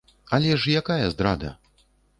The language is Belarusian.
Але ж якая здрада?